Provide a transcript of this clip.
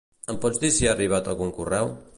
Em pots dir si ha arribat algun correu?